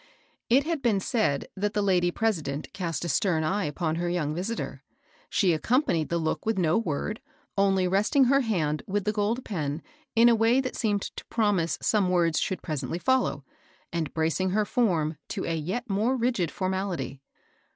It has been said that the lady president cast a stem eye upon her young visitor. ^ She accompa nied the look with no word, only resting her hand with the gold pen in a way that seemed to promise some words should presently follow, and bracing her form to a yet more rigid formality.